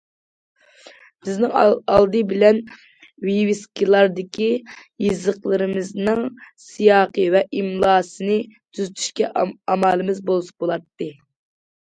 بىزنىڭ ئالدى بىلەن ۋىۋىسكىلاردىكى يېزىقلىرىمىزنىڭ سىياقى ۋە ئىملاسىنى تۈزىتىشكە ئامالىمىز بولسا بولاتتى.